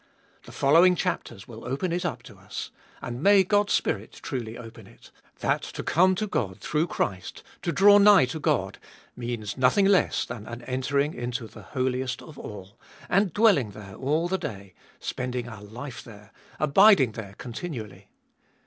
The following chapters will open it up to us — and may God's Spirit truly open it !— that to come to God through Christ, to draw nigh to God means nothing less than an entering into the Holiest of All, and dwelling there all the day, spending our life there, abiding there con tinually.